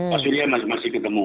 pak surya masih ketemu